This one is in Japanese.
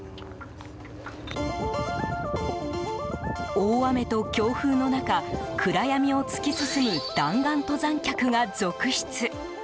大雨と強風の中暗闇を突き進む弾丸登山客が続出。